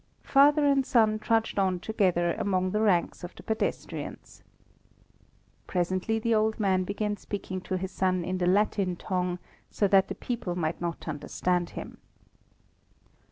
Father and son trudged on together among the ranks of the pedestrians. Presently the old man began speaking to his son in the Latin tongue, so that the people might not understand him.